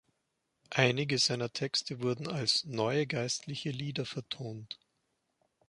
Einige seiner Texte wurden als „neue geistliche Lieder“ vertont.